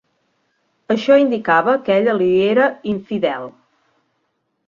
Això indicava que ella li era infidel.